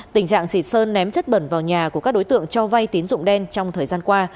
tình trạng sịt sơn ném chất bẩn vào nhà của các đối tượng cho vay tín dụng đen trong thời gian qua